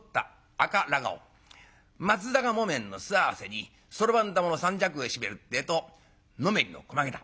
松阪木綿の素袷にそろばん玉の三尺帯締めるってえとのめりの駒げた。